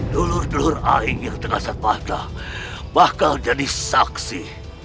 dulur dulur aing yang tengah sepatah bakal jadi saksi